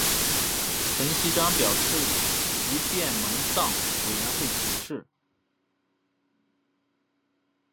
陈锡璋表示即电蒙藏委员会请示。